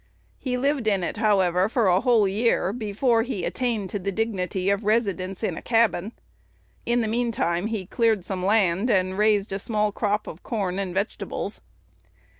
He lived in it, however, for a whole year, before he attained to the dignity of a residence in a cabin. "In the mean time he cleaned some land, and raised a small crop of corn and vegetables."